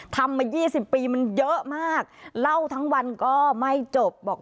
ทำมา๒๐ปีมันเยอะมากเล่าทั้งวันก็ไม่จบบอก